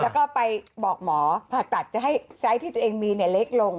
แล้วบอกหมอให้ไบฆัตให้ไบใสที่จ๋างมีเล็กลง